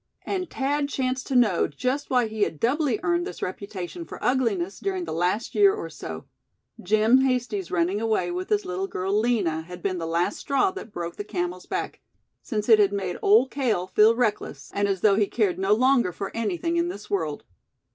And Thad chanced to know just why he had doubly earned this reputation for ugliness during the last year or so; Jim Hasty's running away with his little girl, Lina, had been the last straw that broke the camel's back; since it had made Old Cale feel reckless, and as though he cared no longer for anything in this world.